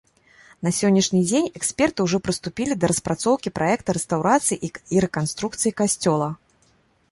На сённяшні дзень эксперты ўжо прыступілі да распрацоўкі праекта рэстаўрацыі і рэканструкцыі касцёла.